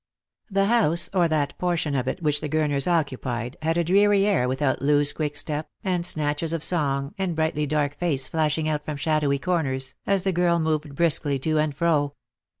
The house, or that portion of it which the Gurners occupied, had a dreary air without Loo's quick step, and snatches of song, and brightly dark face flashing out from shadowy corners, as the girl moved briskly to and fro.